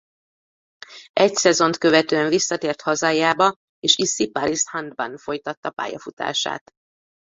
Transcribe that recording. Egy szezont követően visszatért hazájába és a Issy-Paris Handban folytatta pályafutását.